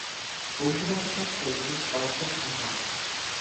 Používal také pseudonym Václav Říha.